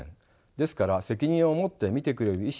ですから責任を持って診てくれる医師